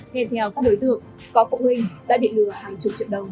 hẹn theo các đối tượng có phụ huynh đã bị lừa hàng chục triệu đồng